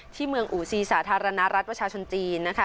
ที่เมืองอูซีสาธารณรัฐประชาชนจีนนะคะ